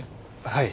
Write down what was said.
はい。